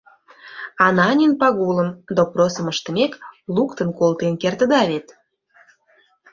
Ананин Пагулым, допросым ыштымек, луктын колтен кертыда вет?